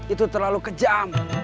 itu terlalu kejam